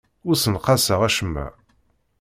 Ur ssenqaseɣ acemma.